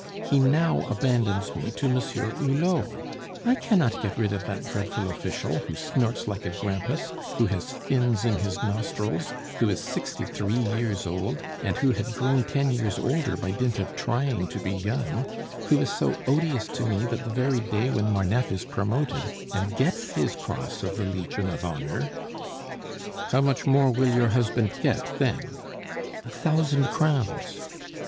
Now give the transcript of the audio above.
he now abandons me to Monsieur Hulot. I cannot get rid of that dreadful official, who snorts like a grampus, who has fins in his nostrils, who is sixty three years old, and who had grown ten years older by dint of trying to be young; who is so odious to me that the very day when Marneffe is promoted, and gets his Cross of the Legion of Honor " "How much more will your husband get then?" "A thousand crowns."